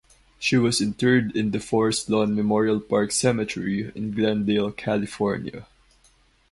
She was interred in the Forest Lawn Memorial Park Cemetery in Glendale, California.